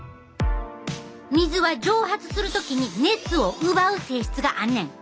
水は蒸発する時に熱を奪う性質があんねん。